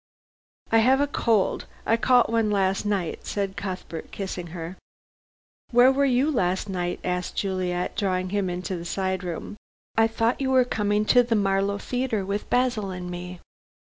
"I have a cold. I caught one last night," said Cuthbert, kissing her. "Where were you last night?" asked Juliet, drawing him into a side room. "I thought you were coming to the Marlow Theatre with Basil and me."